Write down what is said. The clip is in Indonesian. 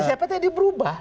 siapa tahu ya diberubah